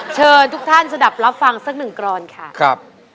เชิญทุกท่านสะดับรับฟังสักหนึ่งกรอนค่ะครับ